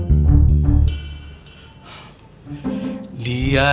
dia gak mau jadi nyawanya